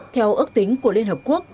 theo ước tính của liên hợp quốc